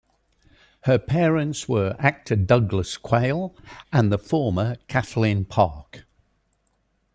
Her parents were actor Douglas Quayle and the former Kathleen Parke.